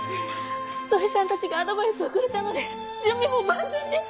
土居さんたちがアドバイスをくれたので準備も万全です！